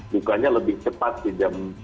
bukanya lebih cepat di jam